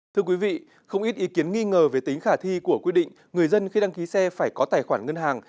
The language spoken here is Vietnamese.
thưa quý vị không ít ý kiến nghi ngờ về tính khả thi của quy định người dân khi đăng ký xe phải có tài khoản ngân hàng